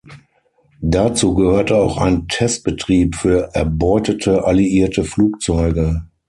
Dazu gehörte auch ein Testbetrieb für erbeutete alliierte Flugzeuge.